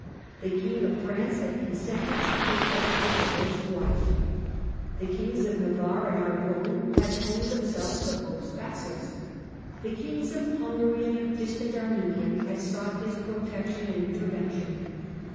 The King of France had consented to take back his divorced wife, the Kings of Navarre and Aragon had owned themselves the Pope's vassals, the rulers of Hungary and of distant Armenia had sought his protection and intervention.